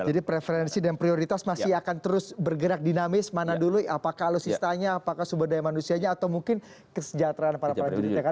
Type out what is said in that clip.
jadi preferensi dan prioritas masih akan terus bergerak dinamis mana dulu apakah alus istanya apakah sumber daya manusianya atau mungkin kesejahteraan para prajurit